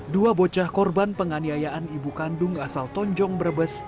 dua bocah korban penganiayaan ibu kandung asal tonjong brebes